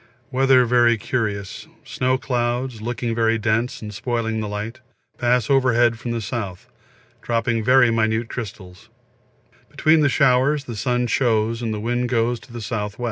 Weather very curious, snow clouds, looking very dense and spoiling the light, pass overhead from the S., dropping very minute crystals; between showers the sun shows and the wind goes to the S.W.